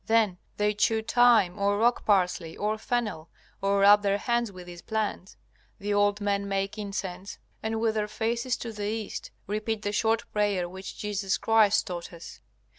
Then they chew thyme or rock parsley or fennel, or rub their hands with these plants. The old men make incense, and with their faces to the east repeat the short prayer which Jesus Christ taught us.